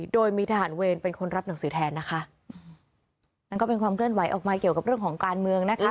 โดยมีทหารเวรเป็นคนรับหนังสือแทนนะคะนั่นก็เป็นความเคลื่อนไหวออกมาเกี่ยวกับเรื่องของการเมืองนะคะ